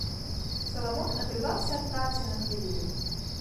Саламон адрываўся ад працы на хвіліну.